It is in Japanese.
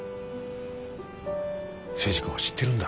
征二君は知ってるんだ。